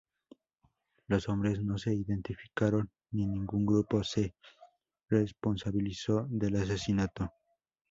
Los hombres no se identificaron, ni ningún grupo se responsabilizó del asesinato.